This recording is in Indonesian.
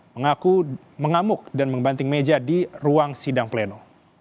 mengaku mengamuk dan membanting meja di ruang sidang pleno